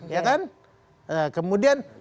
ya kan kemudian